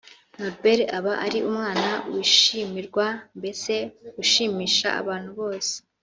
Norbert aba ari umwana wishimirwa mbese ushimisha abantu bose